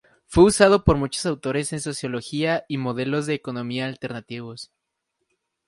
Fue usado por muchos autores en sociología y modelos de economía alternativos.